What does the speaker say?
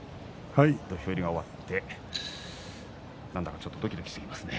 土俵入りが終わってなんだか、ちょっとどきどきしてきますね。